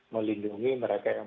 melindungi mereka yang